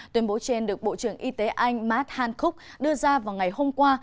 tuyên bố trên được bộ trưởng y tế anh matt hancock đưa ra vào ngày hôm qua